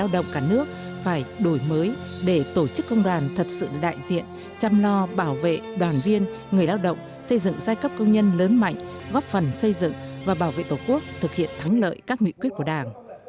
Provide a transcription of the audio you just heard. do bảo vệ đoàn viên người lao động xây dựng giai cấp công nhân lớn mạnh góp phần xây dựng và bảo vệ tổ quốc thực hiện thắng lợi các nguyện quyết của đảng